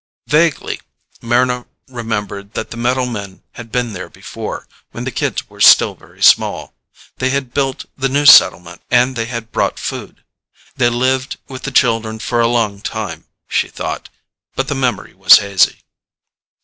Vaguely Mryna remembered that the metal men had been there before, when the kids were still very small. They had built the new settlement and they had brought food. They lived with the children for a long time, she thought but the memory was hazy.